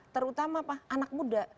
terutama anak muda